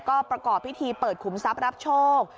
ก็ประกอบพิธีเปิดขุมทรัพย์รับโชค